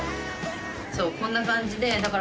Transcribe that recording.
そうこんな感じでだから。